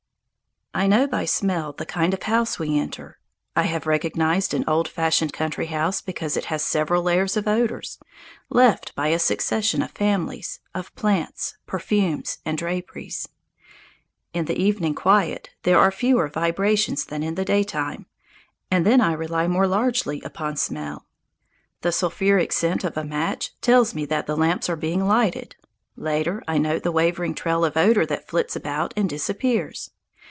I know by smell the kind of house we enter. I have recognized an old fashioned country house because it has several layers of odours, left by a succession of families, of plants, perfumes, and draperies. In the evening quiet there are fewer vibrations than in the daytime, and then I rely more largely upon smell. The sulphuric scent of a match tells me that the lamps are being lighted. Later I note the wavering trail of odour that flits about and disappears.